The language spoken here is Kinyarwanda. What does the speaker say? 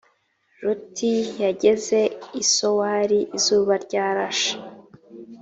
loti yageze i sowari izuba ryarashe